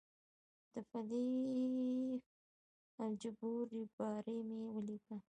د فلیح الجبور ریباري مې ولیکه.